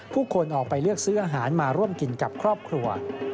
ผู้คนออกไปเลือกซื้ออาหารมาร่วมกินกับครอบครัว